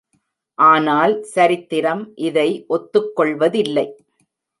ஆனால் சரித்திரம் இதை ஒத்துக் கொள்வதில்லை.